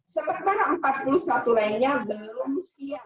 seperti anak empat puluh satu lainnya belum siap